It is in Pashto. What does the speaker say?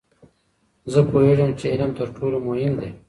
زه پوهیږم چې علم تر ټولو مهم دی.